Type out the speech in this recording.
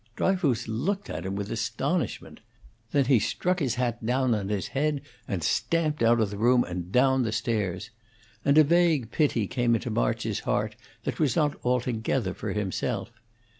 Dryfoos looked at him with astonishment; then he struck his hat down on his head, and stamped out of the room and down the stairs; and a vague pity came into March's heart that was not altogether for himself.